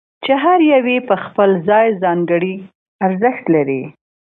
چې هر یو یې په خپل ځای ځانګړی ارزښت لري.